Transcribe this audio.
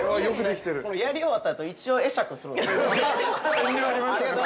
◆やり終わったあと、一応会釈するんですね。